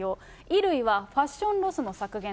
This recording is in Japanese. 衣類は、ファッションロスの削減。